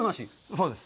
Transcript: そうです。